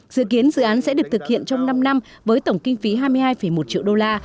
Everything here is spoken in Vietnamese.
dự kiến dự án sẽ được thực hiện trong năm năm với tổng kinh phí hai mươi hai một triệu đô la